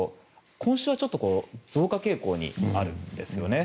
今週はちょっと増加傾向にあるんですよね。